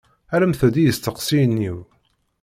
Rremt-d i yisteqsiyen-iw.